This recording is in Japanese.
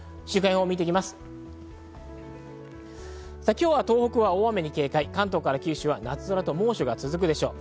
今日は東北は大雨に警戒、関東から九州は夏空と猛暑が続くでしょう。